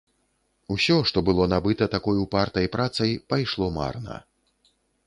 Усё, што было набыта такой упартай працай, пайшло марна.